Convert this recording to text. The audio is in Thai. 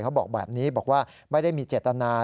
เขาบอกแบบนี้บอกว่าไม่ได้มีเจตนา